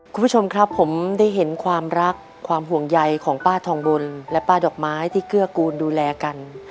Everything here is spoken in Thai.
คุณผู้ชมครับผมได้เห็นความรักความห่วงใยของป้าทองบนและป้าดอกไม้ที่เกื้อกูลดูแลกัน